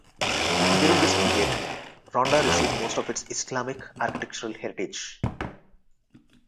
During this period, Ronda received most of its Islamic architectural heritage.